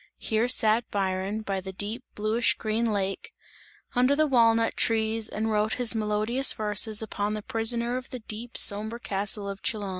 Here sat Byron, by the deep bluish green lake, under the walnut trees and wrote his melodious verses upon the prisoner of the deep sombre castle of Chillon.